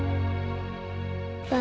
cantik selama dua hari